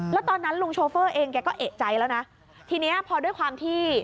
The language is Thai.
แล้วตอนนั้นลุงโชเฟอร์เองแกก็เอกใจแล้วนะทีนี้พอด้วยความที่